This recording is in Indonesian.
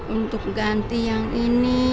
untuk ganti yang ini